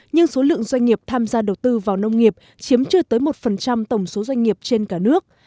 nhưng số lượng doanh nghiệp tham gia đầu tư vào nông nghiệp chiếm chưa tới một tổng số doanh nghiệp trên cả nước